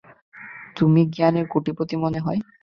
তুমি জ্ঞানের কোটিপতি মনে হয়!